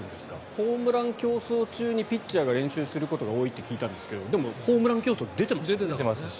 ホームラン競争中にピッチャーが練習することが多いって聞いたんですけどでも、ホームラン競争に出ていましたよね。